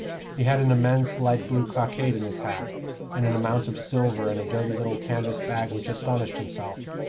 He had an immense light blue cockade in his hat, and an amount of silver in a dirty little canvas bag which astonished himself.